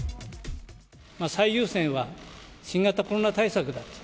最優先は新型コロナ対策だと。